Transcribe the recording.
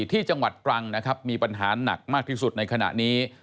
ที่จังหวัดตรังนะครับมีปัญหาหนักมากที่สุดในขณะนี้